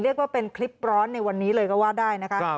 เรียกว่าเป็นคลิปร้อนในวันนี้เลยก็ว่าได้นะคะ